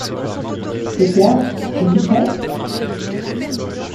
Edgard ! es-tu prêt ?